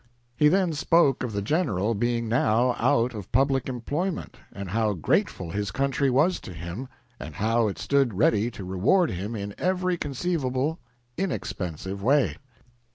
He then spoke of the General being now out of public employment, and how grateful his country was to him, and how it stood ready to reward him in every conceivable inexpensive way.